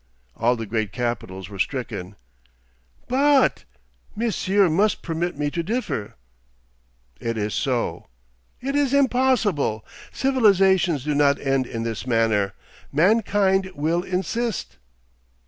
All the great capitals were stricken....' 'But——! Monsieur must permit me to differ.' 'It is so.' 'It is impossible. Civilisations do not end in this manner. Mankind will insist.